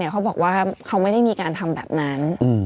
เขาบอกว่าเขาไม่ได้มีการทำแบบนั้น